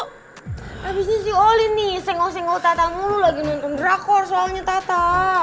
habisnya si olin nih senggok senggok tata mulu lagi nonton drakor soalnya tata